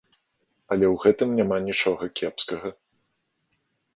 Але ў гэтым няма нічога кепскага.